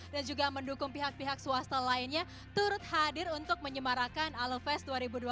dan juga mendukung pihak pihak swasta lainnya turut hadir untuk menyemarakan aloe fest dua ribu dua puluh dua